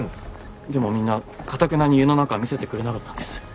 でもみんなかたくなに家の中は見せてくれなかったんです。